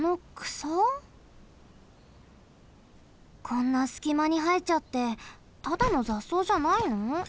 こんなすきまにはえちゃってただのざっそうじゃないの？